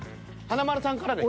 華丸さんからで。